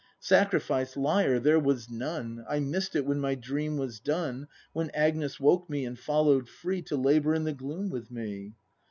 Sacrifice! Liar! there was none! I miss'd it when my Dream was done, When Agnes woke me — and follow'd free To labour in the gloom with me.